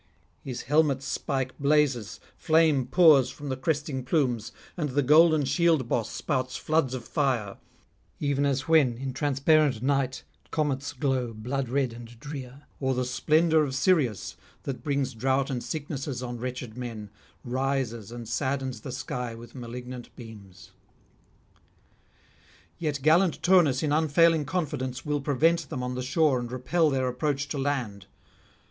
His helmet spike blazes, flame pours from the cresting plumes, and the golden shield boss spouts floods of fire; even as when in transparent night comets glow blood red and drear, or the splendour of Sirius, that brings drought and sicknesses on wretched men, rises and saddens the sky with malignant beams. Yet gallant Turnus in unfailing confidence will prevent them on the shore and repel their approach to land.